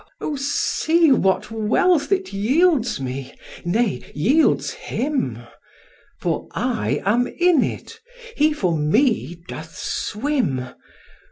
O, see what wealth it yields me, nay, yields him! For I am in it, he for me doth swim.